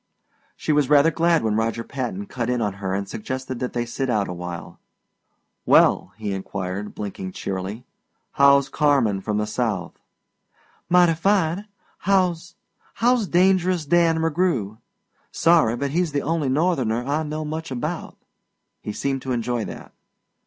She was rather glad when Roger Patton cut in on her and suggested that they sit out a while. "Well," he inquired, blinking cheerily, "how's Carmen from the South?" "Mighty fine. How's how's Dangerous Dan McGrew? Sorry, but he's the only Northerner I know much about." He seemed to enjoy that.